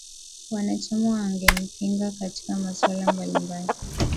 Wanachama wangempinga katika masuala mbali mbali